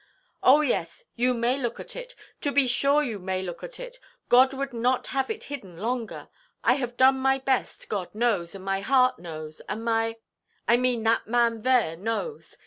"Oh yes, you may look at it. To be sure you may look at it. God would not have it hidden longer. I have done my best, God knows, and my heart knows, and my—I mean that man there knows.